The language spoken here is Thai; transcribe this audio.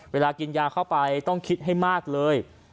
เวลากินยาเข้าไปต้องคิดให้มากเลย